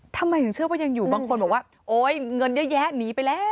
ทำไมถึงเชื่อว่ายังอยู่บางคนบอกว่าโอ๊ยเงินเยอะแยะหนีไปแล้ว